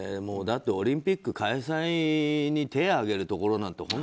だってオリンピック開催に手を挙げるところなんて